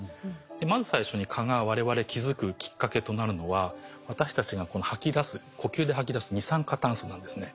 まず最初に蚊がわれわれ気付くきっかけとなるのは私たちが吐き出す呼吸で吐き出す二酸化炭素なんですね。